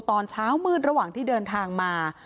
ตอนเช้ามืดระหว่างที่เดินทางมา